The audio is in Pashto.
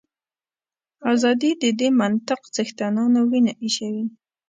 ازادي د دې منطق څښتنانو وینه ایشوي.